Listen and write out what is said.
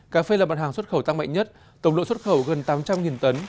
cà phê là mặt hàng xuất khẩu tăng mạnh nhất tổng lượng xuất khẩu gần tám trăm linh tấn